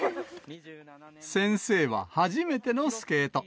先生は初めてのスケート。